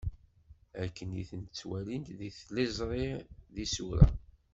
Akken i ten-ttwalint deg tiliẓri d yisura.